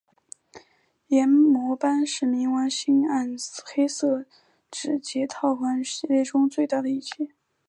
炎魔斑是冥王星暗黑色指节套环系列中最大的一节。